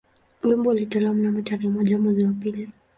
Wimbo ulitolewa mnamo tarehe moja mwezi wa pili